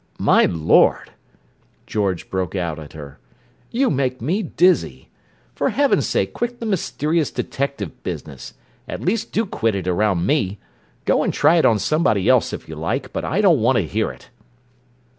"My Lord!" George broke out at her. "You make me dizzy! For heaven's sake quit the mysterious detective business—at least do quit it around me! Go and try it on somebody else, if you like; but I don't want to hear it!"